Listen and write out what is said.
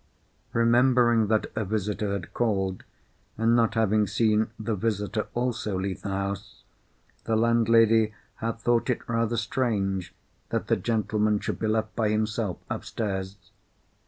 Remembering that a visitor had called, and not having seen the visitor also leave the house, the landlady had thought it rather strange that the gentleman should be left by himself upstairs.